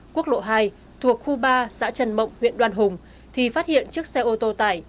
quốc lộ hai thuộc khu ba xã trần mộng huyện đoàn hùng thì phát hiện chiếc xe ô tô tải